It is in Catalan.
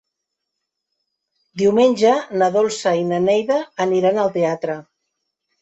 Diumenge na Dolça i na Neida aniran al teatre.